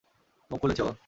মুখ খুলেছে ও?